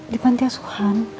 di panti asuhan